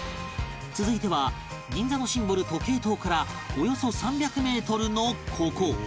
続いては銀座のシンボル時計塔からおよそ３００メートルのここ